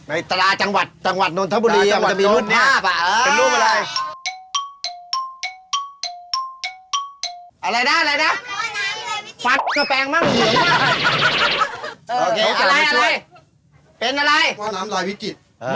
ในตราจังหวัดจังหวัดนทบุรี